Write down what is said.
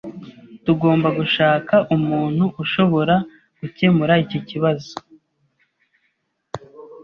Tugomba gushaka umuntu ushobora gukemura iki kibazo.